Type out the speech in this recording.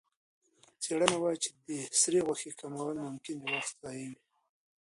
څېړنه وايي چې د سرې غوښې کمول ممکن د وخت ضایع وي.